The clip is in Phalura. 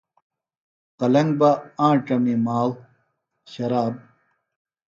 قلنگ بہ آنڇمی مال، شراب